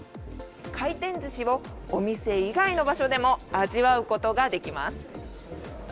回転寿司をお店以外の場所でも味わうことができます。